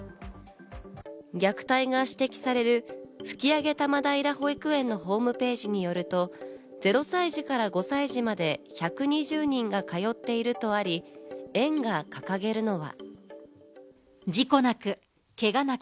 虐待が指摘される、吹上多摩平保育園のホームページによると、０歳児から５歳児まで１２０人が通っているとあり、園が掲げるのは。